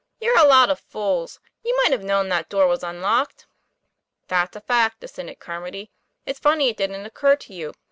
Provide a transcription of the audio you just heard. "You're a lot of fools! You might have known that door was unlocked." "That's a fact," assented Carmody. "It's funny it didn't occur to you.